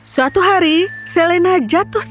suatu hari selena jatuh sakit